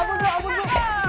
ampun bu ampun bu